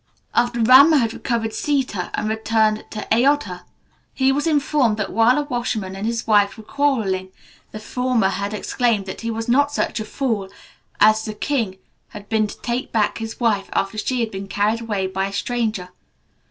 After Rama had recovered Sita and returned to Ayodha, he was informed that, whilst a washerman and his wife were quarrelling, the former had exclaimed that he was not such a fool as the king had been to take back his wife after she had been carried away by a stranger.